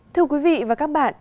thưa quý vị và các bạn